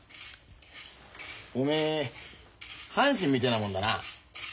おめえ阪神みてえなもんだな。